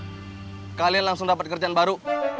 kancah chat kalian langsung dapat kerjaan baru